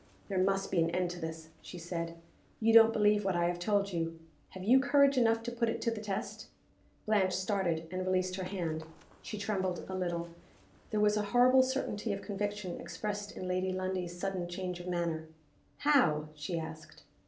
"There must be an end to this," she said. "You don't believe what I have told you. Have you courage enough to put it to the test?" Blanche started, and released her hand. She trembled a little. There was a horrible certainty of conviction expressed in Lady Lundie's sudden change of manner. "How?" she asked.